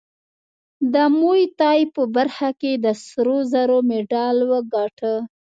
د موی تای په برخه کې د سرو زرو مډال وګاټه